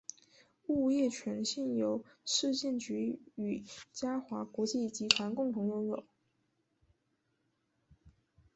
物业权现由市建局与嘉华国际集团共同拥有。